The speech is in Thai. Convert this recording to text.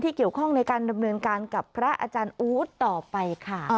เกี่ยวข้องในการดำเนินการกับพระอาจารย์อู๊ดต่อไปค่ะ